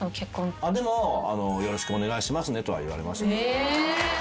でもよろしくお願いしますねとは言われました。